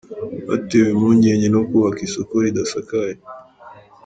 Batewe impungenge no kubaka isoko ridasakaye